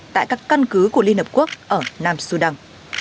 tại các căn cứ của liên hợp quốc ở nam sudan